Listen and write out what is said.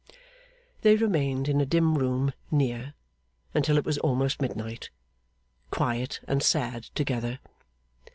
They remained in a dim room near, until it was almost midnight, quiet and sad together.